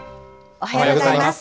おはようございます。